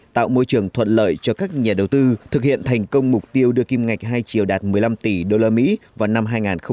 tạo môi trường thuận lợi cho các nhà đầu tư thực hiện thành công mục tiêu đưa kim ngạch hai triệu đạt một mươi năm tỷ usd vào năm hai nghìn hai mươi